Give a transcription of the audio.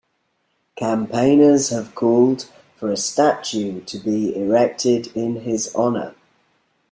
Campaigners have called for a statue to be erected in his honour.